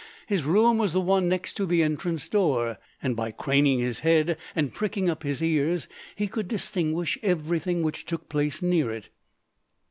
His room was the one next to the entrance door, and by craning his head and pricking up his ears he could distinguish everything which took place near it.